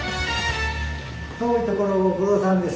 遠いところをご苦労さんです。